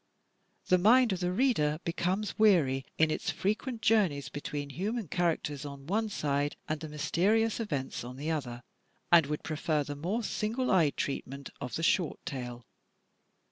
The mind of the reader becomes weary in its frequent jour 284 THE TECHNIQUE OF THE MYSTERY STORY neys between human characters on one side and the mysteri ous events on the other, and would prefer the more single eyed treatment of the short tale.